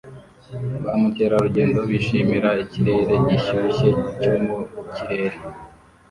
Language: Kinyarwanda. Ba mukerarugendo bishimira ikirere gishyushye cyo mu kirere